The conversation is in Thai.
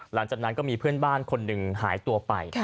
หลังจากนั้นก็มีเพื่อนบ้านคนหนึ่งหายตัวไป